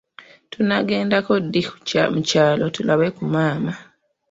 Tunaagendako ddi mu kyalo tulabe ku maama.